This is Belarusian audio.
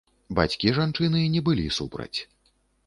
Бацькі жанчыны не былі супраць.